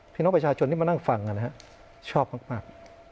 พี่น้องประชาชนที่มานั่งฟังนะครับชอบมาก